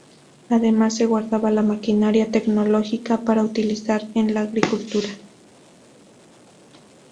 Además, se guardaba la maquinaria tecnológica para utilizarla en la agricultura.